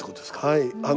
はい。